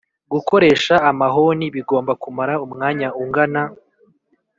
gukoresha amahoni bigomba kumara Umwanya ungana